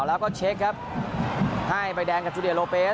แล้วก็เช็คครับให้ใบแดงกับจูเดโลเปส